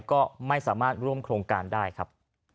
ก็ไม่สามารถร่วมโครงการได้ครับ